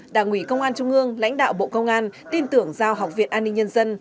đảng ủy công an trung ương lãnh đạo bộ công an tin tưởng giao học viện an ninh nhân dân